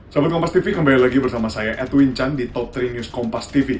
sahabat kompastv kembali lagi bersama saya edwin chan di top tiga news kompastv